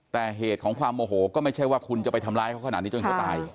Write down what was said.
แต่เหตุของความโมโหก็ไม่ใช่ว่าคุณจะไปทำร้ายเขาขนาดนี้จนเขาตาย